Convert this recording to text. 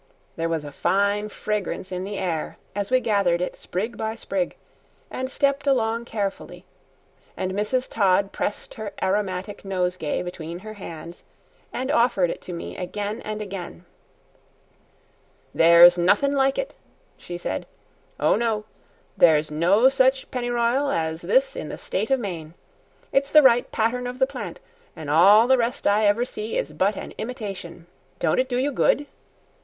There was a fine fragrance in the air as we gathered it sprig by sprig and stepped along carefully, and Mrs. Todd pressed her aromatic nosegay between her hands and offered it to me again and again. "There's nothin' like it," she said; "oh no, there's no such pennyr'yal as this in the state of Maine. It's the right pattern of the plant, and all the rest I ever see is but an imitation. Don't it do you good?"